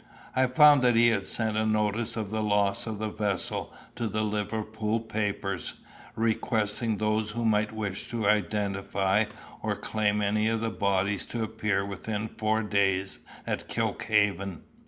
I found that he had sent a notice of the loss of the vessel to the Liverpool papers, requesting those who might wish to identify or claim any of the bodies to appear within four days at Kilkhaven.